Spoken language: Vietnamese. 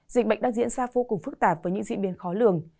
dịch bệnh đã diễn ra vô cùng phức tạp với những diễn biến khó lường